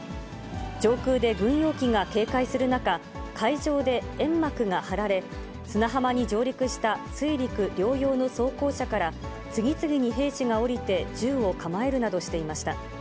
上空で軍用機が警戒する中、海上で煙幕が張られ、砂浜に上陸した水陸両用の装甲車から、次々に兵士が降りて銃を構えるなどしていました。